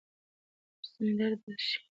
د ستوني درد بد شی دی.